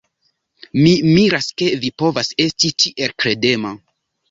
Mi miras, ke vi povas esti tiel kredema!